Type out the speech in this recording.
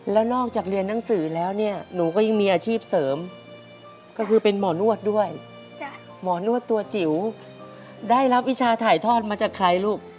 แล้วนอกจากเรียนหนังสือแล้วเนี่ยหนูก็ยังมีอาชีพเสริมก็คือเป็นหมอนวดด้วยหมอนวดตัวจิ๋วได้รับวิชาถ่ายทอดมาจากใครลูก